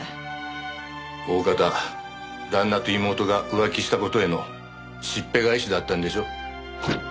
おおかた旦那と妹が浮気した事へのしっぺ返しだったんでしょ？